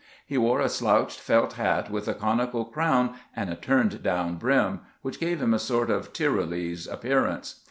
He wore a slouched felt hat with a conical crown and a turned down rim, which gave him a sort of Tyrolese appear ance.